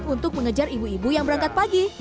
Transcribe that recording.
untuk mengejar ibu ibu yang berangkat pagi